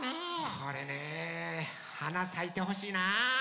これねえはなさいてほしいなあ。